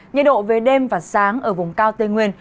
nhiệt độ về đêm và sáng ở vùng cao tây nguyên